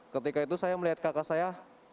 ketika itu saya melihat kakak saya